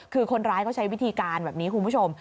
คือคนร้ายเขาใช้วิธีการแบบนี้คุณผู้ชม